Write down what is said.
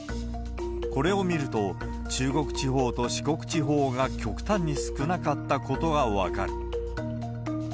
これを見ると、中国地方と四国地方が極端に少なかったことが分かる。